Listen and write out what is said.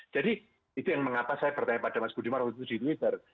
jadi itu yang mengapa saya bertanya pada mas budiman waktu itu di twitter